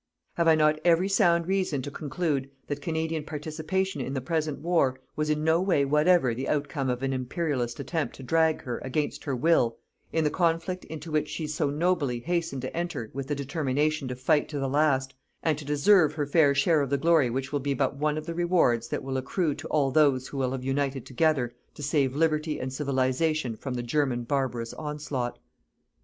Have I not every sound reason to conclude that Canadian participation in the present war was in no way whatever the outcome of an Imperialist attempt to drag her, against her will, in the conflict into which she so nobly hastened to enter with the determination to fight to the last, and to deserve her fair share of the glory which will be but one of the rewards that will accrue to all those who will have united together to save Liberty and Civilization from the German barbarous onslaught.